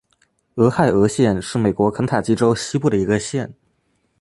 俄亥俄县是美国肯塔基州西部的一个县。